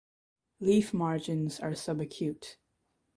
Leaf margins are subacute.